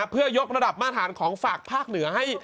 เพื่อยกระดับมาตรฐานของฝากภาคเหนือให้